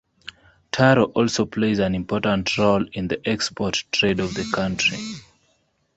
Taro also plays an important role in the export trade of the country.